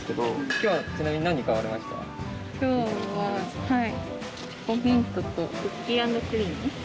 今日ははい。